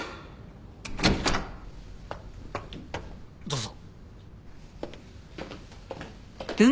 どうぞ。